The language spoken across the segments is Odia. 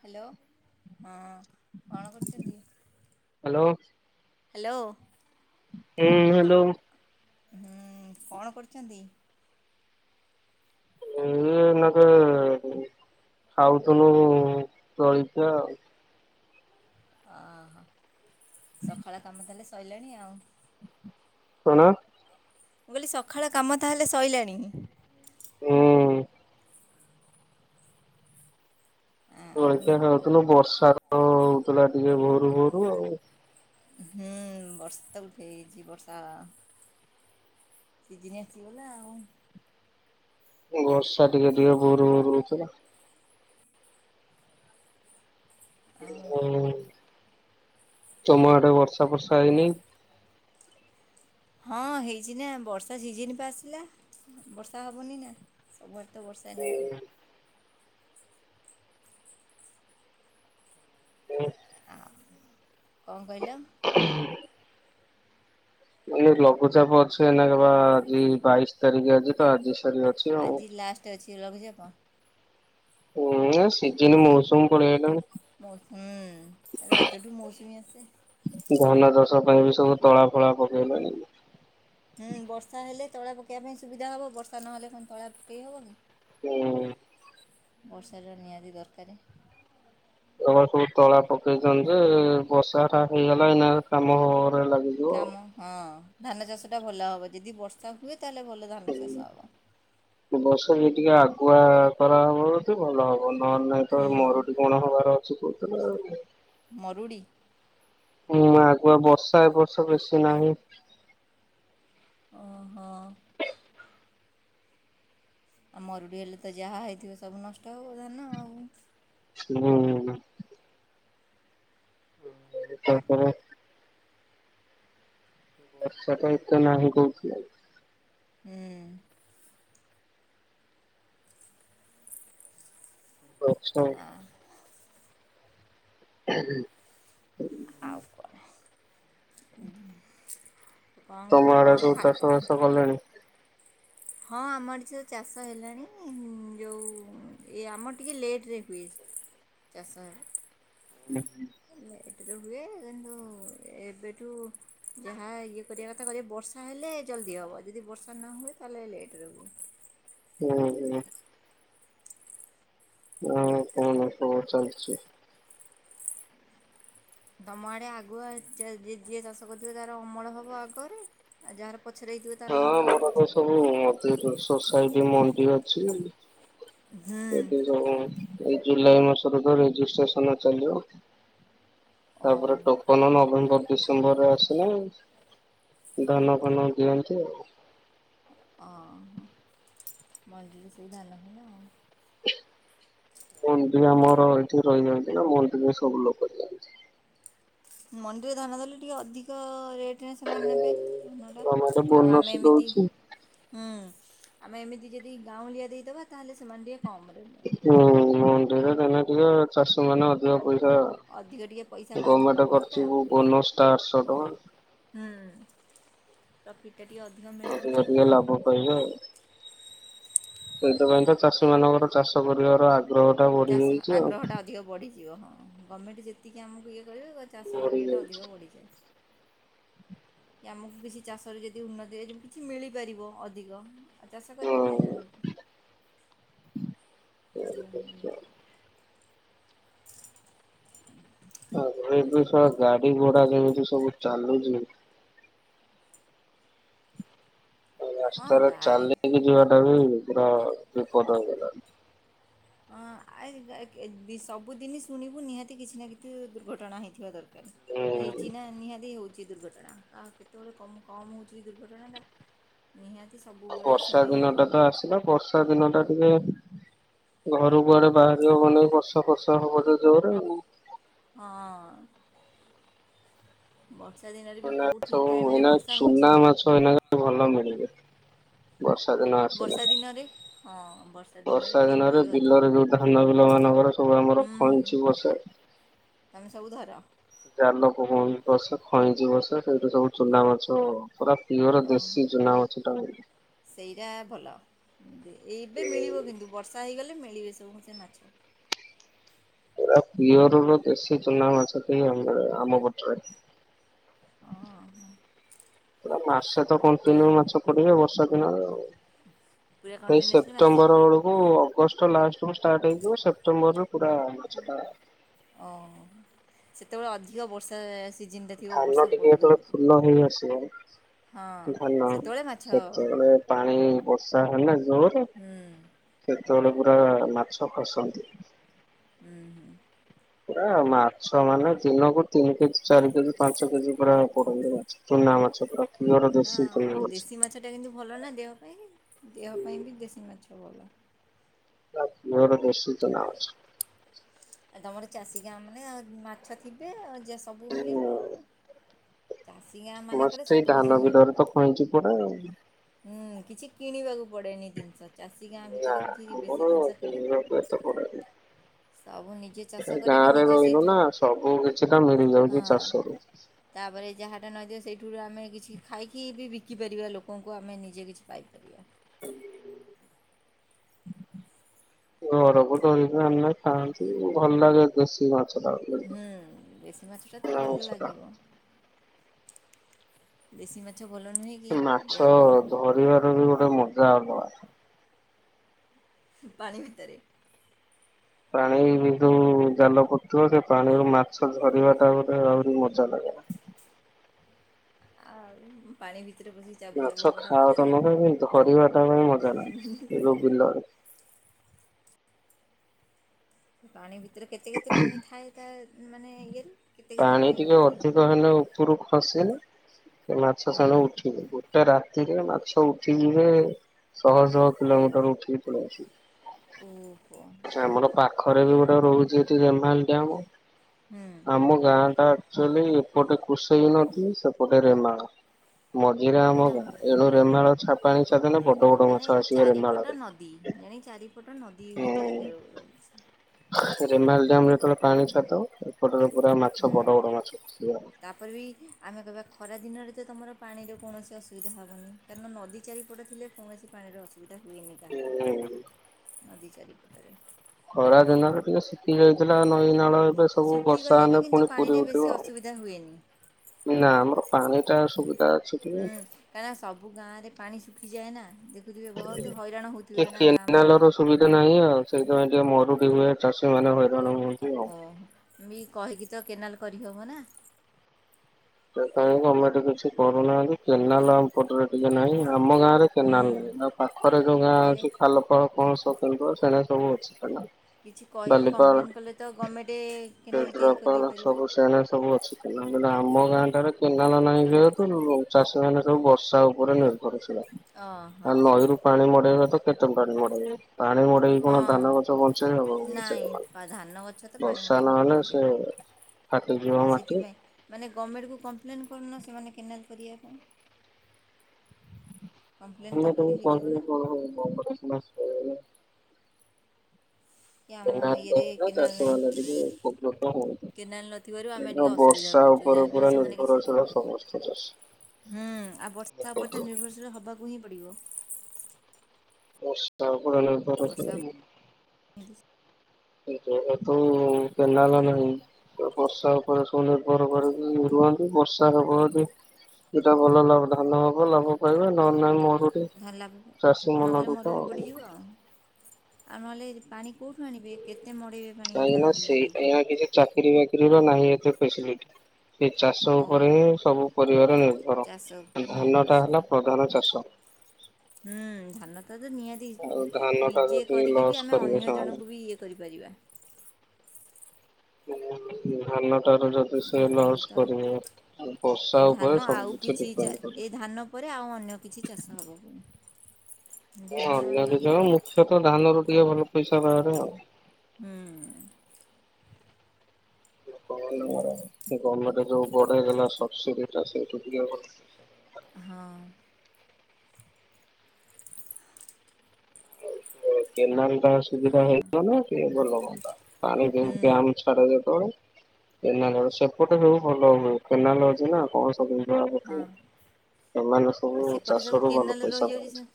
ହାଲୋ ହଁ କଣ କରୁଛନ୍ତି? ହାଲୋ। ହୁଁ ହାଲୋ। ହୁଁ କଣ କରୁଛନ୍ତି? ଏଇନେ ନା ଖାଉନଥିଲୁ ଖାଉଥିଲୁ ଜଳିଖିଆ ଆଉ। ଓ ହୋ ସକାଳ କାମ ତାହେଲେ ସଇଲାଣି ଆଉ? କଣ? ମୁଁ କହିଲି ସକାଳ କାମ ତାହେଲେ ସଇଲାଣି? ହୁଁ। ଆଉ ଜଳଖିଆ ଖାଉଥିଲୁ ବର୍ଷା ତ ହଉଥିଲା ଟିକେ ଭୋରୁ ଭୋରୁ ଆଉ। ହୁଁ ବର୍ଷା ତ ଉଠେଇଚି ବର୍ଷା। ସିଜିନି ଆସିଗଲା ଆଉ। ବର୍ଷା ଟିକେ ଟିକେ ଭୋରୁ ଭୋରୁ ରଉଥେଲା। ହୁଁ ତମ ଆଡେ ବର୍ଷା ଫର୍ଷା ହେଇ ନାଇଁ। ହଁ ହେଇଛି ନା ବର୍ଷା ସିଜିନି ପା ଆସିଲା ହୁଁ ବର୍ଷା ହବନି ନା। ସବୁ ଆଡେ ତ ବର୍ଷା ଏଇନାନାକେ। କଁ କହିଲ? ଇଏ ଲଘୁଚାପ ଅଛି ଏଇନାକେ ବା ଆଜି ବାଇଶି ତାରିକି ଆଜି ପା ଆଜି ଅଛି। ସାରି ଆଉ। ଆଜି ଲାଷ୍ଟ ଅଛି ଲଘୁଚାପ। ହୁଁ ସିଜିନି ମୌସୁମ୍ ପଳି ଆଇଲାଣି। ମୌସ୍ ହୁଁ ରଜଠୁ ମୌସୁମୀ ଆସେ। ଧାନ ଚାଷ ପାଇଁ ବି ସବୁ ତଳା ଫଳା ପକେଇଲେଣି। ହୁଁ ବର୍ଷା ହେଲେ ତଳା ପକେଇବା ପାଇଁ ସୁବିଧା ହବ ବର୍ଷା ନହେଲେ କଁ ତଳା ପକେଇ ହବ କି। ହୁଁ। ବର୍ଷାଟା ନିହାତି ଦରକାରେ। ଏ ବର୍ଷ ବି ତଳା ପକେଇଛନ୍ତି ବର୍ଷାଟା ବି ହେଇଗଲେ ଏଇନା କାମ [unintelligible] ଲାଗି କାମ ହଁ ଧାନ ଚାଷଟା ଭଲ ହବ ଯଦି ବର୍ଷା ହୁଏ ତାହେଲେ ଭଲ ଧାନ ଚାଷ ହବ। ବର୍ଷା ବି ଟିକେ ଆଗୁଆ କରାହବ ଯଦି ଭଲ ହବ ନହେଲେ ନାଇଁ ତ ହୁଁ ମରୁଡି କଣ ହବାର ଅଛି କହୁଥେଲେ ଆଉ। ମରୁଡି। ହୁଁ ଆଗୁଆ ବର୍ଷା ଏ ବର୍ଷ ବେଶୀ ନାହିଁ। ଓହୋ। ଆଉ ମରୁଡି ହେଲେ ତ ଯାହା ହେଇଥିବ ସବୁ ନଷ୍ଟ ହବ ଧାନ ଆଉ। ହୁଁ ହୁଁ। ହୁଁ ତ ଆପଣ ବର୍ଷାଟା ଏତେ ନାହିଁ କୋଉଠି। ହୁଁ। ଗଛ [unintelligible] ଆଉ କଣ ଉଁ ତୁ କଁ କଁ ଖା ଗଲେଣି। ହଁ ଆମ ଆଡେ ଯୋଉ ଚାଷ ହେଲାଣି ଉଁ ଯୋଉ ଉଁ ଆମର ଟିକେ ଲେଟରେ ହୁଏ। ଚାଷ ଆ ହୁଁ ହୁଁ। ଉଁ ଲେଟରେ ହୁଏ ଉଁ ଯୋଉ ଏବେଠୁ ଯାହା ଇଏ କରିବା କଥା କହିଲେ ବର୍ଷା ହେଲେ ଜଲଦି ହବ ଯଦି ବର୍ଷା ନ ହୁଏ ତାହେଲେ ଲେଟରେ ହୁଏ। ହୁଁ ହୁଁ। ଆଉ କଁ ତମର ସବୁ ଚାଲଚି? ଦମ ଆଡେ ଆଗୁଆ ହଁ ଯିଏ ଯିଏ ଚାଷ କରୁଥିବ ତାର ଅମଳ ହବ ଆଗରେ। ଆଉ ଯାହାର ପଛେରେ ହେଇଥିବ ତାର ହଁ ଅମଳ ହେବ ଆମର ତ ପଛରେ ସବୁ [unintelligible] ସୋସାଇଟି ମଣ୍ଡି ଅଛି। ହୁଁ। ଏଠି ସବୁଁ ଏଇ ଜୁଲାଇ ମାସରୁ ତ ରେଜିଷ୍ଟ୍ରେସନ ଚାଲିବ। ଓହୋ ତାପରେ ପ୍ର ଫୋନ ନଭେମ୍ବର ଡିସେମ୍ବରରେ ଆସେନା ଉଁ ଧାନ ଫାନ ଦିଅନ୍ତି ଆଉ। ଓ ହଁ ମଣ୍ଡି ରେ ସେଇ ଧାନ ଫାନ ଆଉ। ବନ୍ଧୁ ଆମର ଏଇଠି ରହିଯାଉଚି ନା ମନ୍ଦିର ରେ ସବୁ ଲୋକ ଦିଅନ୍ତି। ମଣ୍ଡିରେ ଧାନା ଦେଲେ ଟିକେ ଅଧିକ ରେଟ ରେ ସେମାନେ ନେବେ ଧନଟା। ଗମେଣ୍ଟ ଆଉ ବୋନସ ଆମେ ଏମିତି ଦଉଛି ହୁଁ ଆମେ ଏମିତି ଯଦି ଗାଉଁଳିଆ ଦେଇଦବା ତାହେଲେ ସେମାନେ ଟିକେ କମ ରେ ହୁଁ ମଣ୍ଡିରେ ଧାନ ଟିକେ ଚାଷି ମାନେ ଅଧିକ ପଇସା ଅଧିକ ଟିକେ ପଇସା ପାଆନ୍ତି ଗମେଣ୍ଟ ପ୍ରଫିଟ୍ଟା କରିଚି ଆଉ ବୋ ବୋନସ ଟା ଆଠଶହ ଟଙ୍କା। ହୁଁ। ପ୍ରଫିଟ୍ ଟିକେ ଅଧିକ। ମିଳେ ଆ ଟିକେ ଆମକୁ ଅଧିକ ଲାଭ ପାଇବେ ଆଉ। ସେଇଥିପାଇଁ ତ ଚାଷୀ ମାନଙ୍କର ଚାଷ କରିବାର ଆଗ୍ରହ ଟା ବଢି ଚାଷ ଯାଇଚି ଆଗ୍ରହଟା ଆଉ। ଅଧିକ ବଢ଼ିଯିବ ହଁ ଗମେଣ୍ଟ ଯେତିକି ଆମକୁ ଇଏ କରିବେ ଚାଷ ବଢି ଇଏଟା ଯାଇଛି ଅଧିକ ବଢ଼ିଯାଏ। କି ଆମକୁ କିଛି ଚାଷ ର ଯଦି ଉନ୍ନତି ହେଏ କିଛି ମିଳିପାରିବ ଅଧିକ ଆ ଚାଷ କରିବ ନିି ନା [unintelligible] ଆା ହ ଆଗ ଏବେ ସଳା ଗାଡି ଘୋଡା ଯେମିତି ସବୁ ଚାଲୁଚି। ହଁ ରାସ୍ତାରେ ଗାଳି ଚାଲିକି ଯିବାଟା ବି ପୁରା ବିପଦ ହେଇଗଲାଣି। ହଁ ଆ ସବୁଦିନ ଶୁଣିବୁ ନିହାତି କିଛି ନା କିଛି ଦୁର୍ଘଟଣା ହେଇଥିବା ଦରକାର। ହେଇଚି ନା ନିହାତି ହଉଚି ଦୁର୍ଘଟଣା ଆ କେତେବେଳେ କ କମ ହଉଛି ଦୁର୍ଘଟଣା ଟା। ନିହାତି ହୁଁ ସବୁବେଳେ ବର୍ଷା ଶୁଣିବାକୁ ଦିନ ଟା ତ ନ୍ୟୁଜ୍ ମିଳୁଚି। ଆସିଲା ବର୍ଷା ଦିନ ଟା ଟିକେ ଘରୁ କୁଆଡେ ବାହାରି ହବନି ବର୍ଷା ଫର୍ଷା ହବ ଯେ ଜୋରେ ଉ। ହଁ। ବର୍ଷା ଦିନରେ ବି ଏଇନା କେଉ ଠିକ୍ ସବୁ ଟାଇମରେ ଏଇନା ବର୍ଷା ହେଉଚି ଚୁନା କି ବି। ମାଛ ଏଇନା ଭଲ ମିଳିବେ ବର୍ଷା ଦିନ ଆସିଲେ ବର୍ଷା ଦିନରେ ହଁ ବର୍ଷା ବର୍ଷା ଟିକେ ଦିନରେ ମିଳିବ ଅଧିକ ବିଲରେ ଯୋଉ ଧାନ ବିଲ ମାନଙ୍କର ସବୁ ଆମର ହୁଁ ହୁଁ ଖଇଞ୍ଚି ବସେ। ତୁମେ ସବୁ ଧର। ଜାଲ ପକୋଉ ବି ବସେ ଖଇଁଚି ବସେ ସେଇଠୁ ସବୁ ଚୁନା ମାଛ ପୁରା ପିଓର ଦେଶୀ ଚୁନା ମାଛ ଟା ସେଇରା ଭଲ। ଏବେ ମିଳିବ କିନ୍ତୁ ବର୍ଷା ହେଇଗଲେ ମିଳିବେ ସବୁ ସେ ମାଛ। ପୁରା ପିଅରର ଦେଶୀ ଚୁନା ମାଛ କି ଆମର ଆମପଟରେ। ହଁ ହଁ। ପୁରା ମାସେ ତ କଣ୍ଟିନ୍ୟୁ ମାଛ ପଡିବେ ବର୍ଷା ଦିନ ରେ ଆଉ। ପୁରା ସେଇ କଣ୍ଟିନ୍ୟୁସଲି ମାସେ। ସେପ୍ଟେମ୍ବର ବେଳକୁ କୁ ଅଗଷ୍ଟ ଲାଷ୍ଟରୁୁ ଷ୍ଟାର୍ଟ ହେଇଯିବ ସେପ୍ଟେମ୍ବର ରେ ପୁରା ମାଛ ଟା ଓହ ସେତେବେଳେ ଅଧିକ ବର୍ଷା ସିଜନଟା ଥିବ ଧାନ ବର୍ଷା ଟିକେ ପଡ଼ୁ ହେତେବେଳେ ଯୋଉ ଫୁଲ ହେଇ ହଁ ଆସିବ ଧାନ ସେତେବେଳେ ମାଛ ସେତେବେଳେ ପାଣି ବର୍ଷା ହେନେ ଜୋରେ ହୁଁ। ସେତେବେଳେ ପୁରା ମାଛ ଖସନ୍ତି। ଉଁ ହୁଁ। ପୁରା ମାଛ ମାନେ ଦିନକୁ ତିନି କେଜି ଚାରି କେଜି ପାଞ୍ଚ କେଜି ପୁରା ପଡନ୍ତି ମାଛ ଚୁନା ମାଛ ପୁରା ପିଓର ଦେଶୀ ତୁନା ମାଛ। ସେଇଟା କିନ୍ତୁ ଭଲ ନା ଦେହ ପାଇଁ ଦେହ ପାଇଁ ମାଛ। ବି ଦେଶୀ ମାଛ ଭଲ। ପିଓର ଦେଶୀ ଚୁନା ମାଛ। ତମର ଚାଷୀ ଗାଁ ମାନେ ଆ ମାଛ ଥିବେ ଆଉ ଯେ ସବୁ ମିଳିବ ଆଉ। ଚାଷୀ ଗାଁ ଆମର ମାନଙ୍କରେ ସେଇ ସବୁ କିଛି ଧାନ ମିଳେ। ବିଲରେ ତ ଖଇଁଚି ପଡେ ଆଉ। ହୁଁ କିଛି କିଣିବାକୁ ପଡ଼େନି ଜିନିଷ ଚାଷୀ ଗାଁ ନା ଭିତରେ କିଛି ବେଶୀ ଆମର ଜିନିଷ କିଣିବାକୁ। ଏତେ ସବୁ ନିଜେ। ଚାଷ ଏ ଗାଁ କରିକି ରେ ନିଜେ ରହନୁ ନା ସେଇଥିରୁ ସବୁ କିଛି ଟା ମିଳି ଯାଉଛି ହଁ। ଚାଷରୁ। ତାପରେ ଯାହାଟା ନଦିଅ ସେଇଠୁାରୁ ଆମେ କିଛି ଖାଇକି ବି ବିକିପାରିବା ଲୋକଙ୍କୁ ଆମେ ନିଜେ କିଛି ପାଇପାରିବା। [inaudible] ଘରକୁ ଧରିକି ଆଣିଲେ ଖାଆନ୍ତି ଭଲ ଲାଗେ। ଦେଶୀ ଭାତ୍ ହୁଁ ଦେଶୀ ମାଛ ଟା ତ ଭଲ ମାଛଟା। ଲାଗିବ। ଦେଶୀ ମାଛ ଭଲ ନୁହେଁ। କି ଦେହ ମାଛ ପାଇଁ ଭଲ ଧରିବାର ବି ଗୋଟେ ମଜା ଅଲଗା। ପାଣି ଭିତରେ। ପାଣି କିନ୍ତୁ ଜାଲ ପଡିଥିବ ସେ ପାଣିରୁ ମାଛ ଧଝରିବା ଟା ଗୋଟେ ଆହୁରି ମଜା ଲାଗେ। ଆଉ ପାଣି ଭିତରେ ପଶି ମାଛ ଖାବା ତ ନ ଧରିବା ତା ପାଇଁ ମଜା ନାହିଁ ଏ ଯୋଉ ବିଲରେ। ପାଣି ଭିତରେ କେତେ କେତେ ପାଣି ଥାଏ ତା ମାନେ ଇଏରୁ ପାଣି ଟିକେ ଅଧିକ ହେଲେ ଉପରୁ ଖସିଲ ସେ ମାଛ ହଁ ସାଣ ଉଠ। ଗୋଟେ ରାତିରେ ମାଛ ଉଠିଯିବେ। ଶହ ଶହ କିଲୋମିଟର ଉଠିକି ପଳିଆସିବେ। ଉ ହୁହ? ଏ ଆମର ପାଖରେ ବି ଗୋଟେ ରହୁଛି ଏଠି ରେମାଲ ଡ୍ୟାମ ହୁଁ। ଆମ ଗାଁ ଟା ଆକ୍ଚୁଆଲି ଏପଟେ କୃଷେଇ ନଦି ସେପଟେ ରେମାଲ। ମଝିରେ ମାନେ ଆମ ତମ ଗାଁ ଏଣୁ ରେମାଳ ଛପ ପାଣି ଛାଡିଦେଲେ ବଡ ବଡ ମାନେ ମାଛ ଆସିବେ ଚାରିପଟ ରେମାଳାରେ ନଦୀ ଜାଣି ଚାରିପଟ ନଦୀ ଭିତରେ ହୁଁ। ଖେଳ ରେମାଲ ଡାମ ଯେତେବେଳେ ପାଣି ଛାତ ଏପଟରେ ପୁରା ମାଛ ବଡ ହୁଁ ବଡ ମାଛ ପଶିବ। ତାପରେ ବି ଆମେ କହିବା ଖରା ଦିନରେ ତ ତୁମର ପାଣିର କୌଣସି ଅସୁବିଧା ହେବନି କାରଣ ନଦ ଚାରିପଟ ଥିଲେ କୌଣସି ପାଣିର ଅସୁବିଧା ହୁଏନି କାହାର ନଦୀ ଚାରିପଟରେ। ଖରା ଦିନରେ ଟିକେ ଶିଖି ଯାଇଥିଲା ନଈ ନାଳ ଏବେ ସବୁ ବର୍ଷା ଶୁଖିଗଲେ ବି ହେଲେ କିନ୍ତୁ ପୁଣି ପୁରୀ ପାଣିରେ ବେଶୀ ଉଠିବ ଅସୁବିଧା ହୁଏନି ଆଉ। ନା ଆମର ପାଣି ଟା ସୁବିଧା ଅଛି। ହୁଁ ଟିକେ। କାହିଁକିନା ସବୁ ଗାଁ ରେ ପାଣି ଶୁଖିଯାଏ ନା ଦେଖ ହଥିବେ ବହୁତ ହଇରାଣ ହେଉଥିବେ ନା ଗାଁ ମାନଙ୍କରେ ଏ ନାହିଁ ଆଉ ସେଇଥିପାଇଁ ଟିକେ ମରୁଡି ହୁଏ ଚାଷୀ ମାନେ ହଇରାଣ ହୁଅନ୍ତି। ଆଉ। ଓହୋ ମି କହିକି ତ କେନାଲ କରିହେବ ନା। କେଜାଣି ଗମେଣ୍ଟ କିଛି କରୁନାହାନ୍ତି କେନାଲ ଆମପଟରେ ଟିକେ ନାହିଁ ଆମ ଗାଁରେ କେନାଲ ନଁ ନା ପାଖରେ ଯୋଉ ଗାଁ ତାହେଲେ ଅଛି ଖାଲ ଫଳ କଣସ କେନ୍ଦ ସେ ସବୁ ଅଛି କେନାଲ। କିଛି କହିକି ବାଲିପାଳ କମ୍ପ୍ଲେନ୍ କଲେ ତ ଗଭର୍ଣ୍ଣମେଣ୍ଟ କେନାଲ ତିଆରି କ୍ଷେତ୍ରାପାଳ କରିଦେଇପାରିବ ସବୁ ସେ ସବୁ ଅଛି। [unintelligible] ଆମ ଗାଁଟ୍ଟାରେ କେନାଲ ନାହିଁ ଯେହେତୁ ଚାଷୀ ମାନେ ସବୁ ବର୍ଷା ଉପରେ ନିର୍ଭରଶୀଳ। ଓହୋ ଆ ନଈରୁୁ ପାଣି ମଡେଇବାତ କେତନ ପାଣି ମଡ଼େଇ ବେ। ପାଣି ମଡେଇକି କଣ ହଁ ଧାନ ଗଛ ବଞ୍ଚେଇବ ନାଇଁ ପା ଧାନ ଗଛ ତ ପାଣି ବର୍ଷା ମଡ଼େଇକି ନହେଲେ ହୁଏନି ସେ କେବେ ଫାଟିଯିବ ମାଟି। ସେଥିପାଇଁ ମାନେ ଗଭର୍ଣ୍ଣମେଣ୍ଟକୁ କମ୍ପ୍ଲେନ୍ କରୁନ ସେମାନେ କେନାଲ୍ କରିବା ପାଇଁ। କମ୍ପ୍ଲେନ୍ ତ ଗମେଣ୍ଟ କଲେ କୁ ହେଇଯିବ ନା କହିନେ କଣ ହବ ଗମେଣ୍ଟ ସିନା ସୁଣିନେ କି ଆମ ବିନା ଟାସ୍କ ଇଏରେ ରେ କେନାଲ୍ ଚାଷ ନାହିଁ ବା ଟିକେ ପ୍ରବତ ହଉଚି କେନାଲ୍ ନଥିବାରୁ ଆମେ କାହିଁକି ଟିକେ ନା ଅସୁବିଧାରେ ବର୍ଷା ପଡ଼ୁଛୁ ଯାହା ଉପର ବି ହେଲେ ପୁର ସେମାନେ କିଛି ନିର୍ଭର ଶିଳ ସମସ୍ତ ଚାସି ହୁଁ ଆଉ ବର୍ଷା ଉପରେ ତ ନିର୍ଭରଶୀଳ ହବାକୁ ହିଁ ପଡିବ ବର୍ଷା ବର୍ଷା [unintelligible] [unintelligible] ତ କେନାଲ ନାହିଁ ବର୍ଷା ପ ରାଶୁ ମନ୍ଦିର ନିିର୍ଭର କର ରୁହନ୍ତି ବର୍ଷା ହନ୍ତି ଏଟା ଭଲ ଲାଭ ଧାନ ହବ ଲାଭ ପାଇବା ନନା ମରୁଡି ଧାନ ଲାଭ ଚାଷୀ ନହେଲେ ମନରୁ ତ ମରୁଡ଼ି ପଡ଼ିଯିବ ଆଉ ଆଉ ନହେଲେ ପାଣି କେଉଁଠୁ ଆଣିବେ କେତେ ମଡ଼ିବେ କାହିଁକି ନା ସେ ଟା କିଛି ଚାକିର ବାକିରିର ନାହିଁ ଏତେ ଫେସ୍ସିଲିଟ ଏ ଚାଷ ଉପରେ ହିଁ ଓହୋ ସବୁ ପରିବାର ନିର୍ଭର ଚାଷ ଉପରେ ଧାନ ଟା ନିର୍ଭରଶୀଳ ହେଲା ପ୍ରଧାନ ଚାଷ ହୁଁ ଧାନ ତ ତ ନିହା ତି ଆଉ ଧାନ ଟା ନିଜେ ଯଦି କରିକି ବି ଲସ୍ ଆମେ କରିବେ ଅନ୍ୟ ସେମାନେ ଜଣଙ୍କୁ ବି ଇଏ କରିପାରିବା ଧାନ ଟାରୁ ଯଦି ଯେ ସେ ଧାନରୁ ଲଶ୍ ତ କରିବେ ବର୍ଷା ଧାନ ଉପରେ ସବୁ ଆଉ କିଛି ଚା ଡିପେଣ୍ଡ ଏ କରେ ଧାନ ପରେ ଆଉ ଅନ୍ୟ କିଛି ଚାଷ ହେବ ପୁଣି ଧାନ ଇଏ ପ ତ ଧାନ ରୁ ଟିକେ ଭଲ ପଇସା ବାହାରେ ଆଉ ହୁଁ [unintelligible] ଗଭର୍ ମେଣ୍ଟ ଯୋଉ ବଢେଇଦେଲା ସବ୍ସିଇଟ୍ ଟା ସେଇଠୁ [unintelligible] ହଁ କେନାଲ ଟା ସୁବିଧା ହେଇଯ ନା କିଏ ଭଲ ହୁଅନ୍ତା ପାଣି ହୁଁ। ଗାମ ଛାଡା ଯେତବେଳେ କେନାଲ୍ ର ସେପଟେ ହଉ ଭଲ ହୁଏ। କେନାଲ ଅଛି ନା କଣ ସବୁ [unintelligible] ଅଛି ହଁ ଏମାନେ ଆଉ ସବୁ ସେପଟେ ସବୁ ଚାଷରୁ ଭଲ କେନାଲ ପଇସା ରହିଯାଉଛି ସେ ପାଉଛନ୍ତି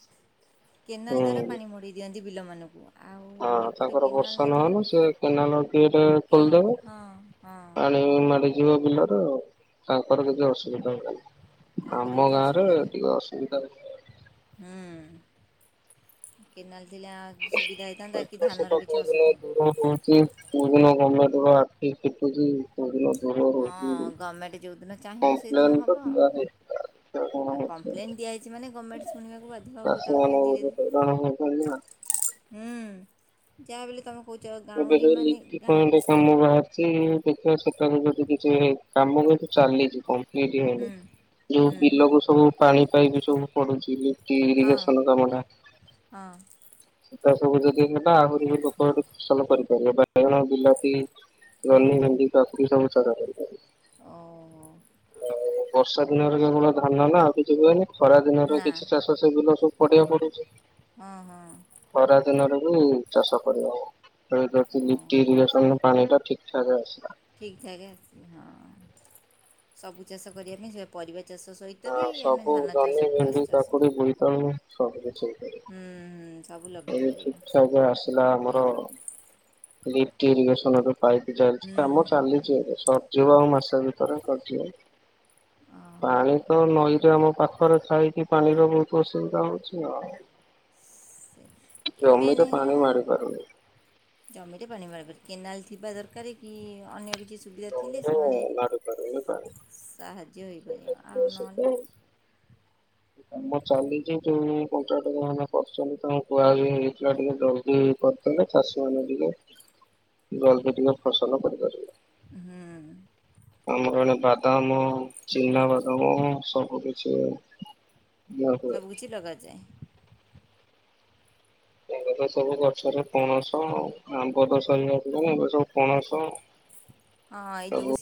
କେନାଲ ଦ୍ଵାରା ପାଣି ମଡେଇ ଦିଅନ୍ତି ବିଲମାନଙ୍କୁ ଆଉ ହଁ ଏପଟେ ତାଙ୍କର କେନାଲ ବର୍ଷ ନଥିବାରୁ ନହନ ସେ କେନାଲ ଦି ଟା କେନା ଖୋଲିଦେବେ ହଁ ହଁ ପାଣି ମାଡିଯିବ ବିଲର ତାଙ୍କର କିଛି ଅସୁବିଧା ନାହିଁ ତାଙ୍କର ଆମ କିଛି ଗାଁରେ ଅସୁବିଧା ଟିକେ ଅସୁବିଧା ହ ହୁଁ କେନାଲ ଥିଲା ସୁବିଧା ହେଇଥାନ୍ତା କି ଧାନର କିଛି ଅସୁବିଧା ହେ ହୁଁ କହୁଚି କୋଉ ଦିନ ଗମେ ଦର ଆଖି ଖଟୁଛି କୋଉ ଦିନ ଦୂର ହଉଛି। ହଁ ଗଭର୍ଣ୍ଣମେଣ୍ଟ ଯେଉଁଦିନ ଚାହିଁବ ସେଇଦିନ କମ୍ପ୍ଲେନ ତ ହେବ ଆଉ ଦିଆ ହେଇଥିଲା ଦେଖିବା କଣ ଆ ହଉଛି ଆଉ। କମ୍ପ୍ଲେନ୍ ଦିଆଯାଇଛି ମାନେ ଗଭର୍ଣମେଣ୍ଟ ଶୁଣିବାକୁ ବାଧ୍ୟ ହେବ ଚାଷୀ ମାନେ ତାପରେ ଧୀରେ ବହୁତ ଧୀରେ ହଇରାଣ ହଉଛନ୍ତି ନା। ହୁଁ ଯାହା ବୋଲି ତମେ କହୁଛ ଏବେ ଗାଉଁଲି ସବୁ ମାନେ ଲିଫ୍ଟ୍ ଗାଁ [unintelligible] କାମ ବାହାରିଛି [unintelligible] ଦେଖିବା ସେଠାରୁ ଯଦି କିଛି କାମ କିନ୍ତୁ ଚାଲିଛି କଂପ୍ଲିଟ ହୁଁ ହେଇନି ଯୋଉ ହୁଁ ହୁଁ ବିଲକୁ ସବୁ ପାଣି ପାଇପିଇ ସବୁ ପଡୁଛିଇ ହଁ ଇରିଗେସନ କାମ ଟା ହଁ ସେ ତା ସବୁ ଯଦି ନେବା ଆହୁରି ବି ଲୋକ ହେଟି ଫସଲ କରିପାରିବେ ବାଇଗଣ ବିଲାତି ହଁ ଜହ୍ନି ଭେଣ୍ଡି କାକୁଡି ସବୁ ଚାଷ କରିଥାଏ ଓ। [inaudible] ବର୍ଷା ଦିନରେ କେବଳ ଧାନ ନା ଆଉ କିଛି ହୁଏନି, ଖରା ଦିନରେ ନା କିଛି ଚାଷ ସେ ବିଲ ସବୁ ପଡଆ ପଡୁଛି। ହଁ ହଁ। ଖରା ଦିନରେ ବି ଚାଷ କରିହବ। [unintelligible] ଓ ପାଣି ଟା ଠିକ ଠାକ ଆସିଲା। ଠିକ ଠାକ ଆସି ହଁ ସବୁ ଚାଷ କରିବା ପାଇଁ ସେ ପରିବା ଚାଷ ସହି ହଁ ସବୁ ଜନ୍ହୀ ଭେଣ୍ଡି କାକୁଡି ବୋଇତାଳୁ ସବୁ କିଛି ହେଇ ପାରିବ। ହୁଁ, ହୁଁ, ସବୁ ଲଗେଇ ପାରିବା। ଥିଲା ଆମର ଲିଫ୍ଟ ଇରିଗେସନ୍ ର ପାଇପି ଚାଲିଛି କାମ ଚାଲିଛି ଏବେ, ସ ଯିବ ଆଉ ମାସେ ଭିତରେ ସରିଜିବ, ପାଣି ତ ନଈରେ ଆମ ପାଖରେ ଥାଇକି ପାଣିର ବହୁତ ଅସୁବିଧା ହଉଛି ଆଉ। ସେ ଜମିରେ ମେନ ହେଲା ପାଣି ମାଡି ପାରୁନି ଜମିରେ ପାଣି [unintelligible] କେନାଲ ଥିବା ଦରକାର କି ଅନ୍ୟ କିଛି ସୁବିଧା ଥିଲେ ଜମିରେ ସେମାନେ ମାଡି ପାରୁନି ପାଣି। ସାହାଯ୍ୟ ହୋଇପାରିବ ଆଉ ନହେଲେ [inaudible] କାମ ଚାଲିଛି ଯୋଉ କଣ୍ଟାକ୍ଟର ମାନେ କରଛନ୍ତି ତାଙ୍କୁ କୁହା ବି ହେଇଥିଲା ଟିକେ ଜଲଦି କଲେ ଚାଷୀ ମାନେ ଟିକେ ଜଲଦି ଟିକେ ଫସଲ କରିପାରିବେ। ହୁଁ। ଆମର ଏଇନା ବାଦାମ, ଚିନା ବାଦାମ ସବୁ କିଛି ଦିଆ ହୁଏ। ସବୁ କିିଛି ଲଗାଯାଏ। ଏବେ ତ ସବୁ ଗଛରେ ପଣସ, ଆମ୍ବ ତ ସରି ଆସିଲାଣି ଏବେ ସବୁ ପଣସ ଅ ଏ ଯୋଉ ସବୁ ସି